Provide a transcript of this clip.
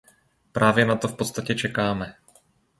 Právě na to v podstatě čekáme.